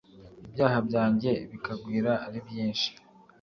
ibyaha byanjye bikagwira aribyinshi